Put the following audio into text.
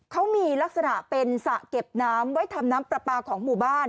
เขามีลักษณะเป็นสระเก็บน้ำไว้ทำน้ำปลาปลาของหมู่บ้าน